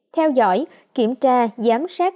theo dõi kiểm tra giám sát